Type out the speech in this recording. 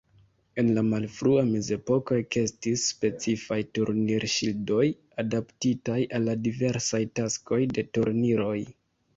En la malfrua mezepoko ekestis specifaj turnir-ŝildoj, adaptitaj al la diversaj taskoj de turniroj.